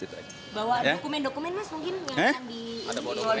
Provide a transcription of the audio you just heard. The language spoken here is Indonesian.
bawa dokumen dokumen mas mungkin